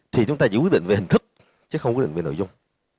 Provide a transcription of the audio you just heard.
thì chúng ta chỉ quyết định về hình thức chứ không quyết định về nội dung